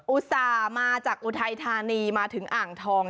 อุตส่าห์มาจากอุทัยธานีมาถึงอ่างทอง